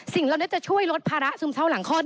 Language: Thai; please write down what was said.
สิ่งเราได้จะช่วยลดภาระซึมเศร้าหลังคลอด